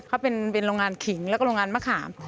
เขาเป็นโรงงานขิงแล้วก็โรงงานมะขาม